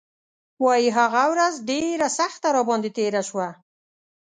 وايي هغه ورځ ډېره سخته راباندې تېره شوه.